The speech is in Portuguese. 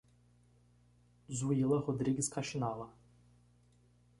Zuila Rodrigues Kaxinawa